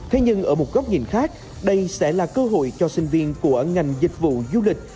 thế nhưng ở một góc nhìn khác đây sẽ là cơ hội cho sinh viên của ngành dịch vụ du lịch